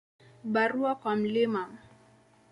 Barua kwa Mt.